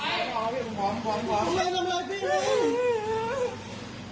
หนูขอเหอะพี่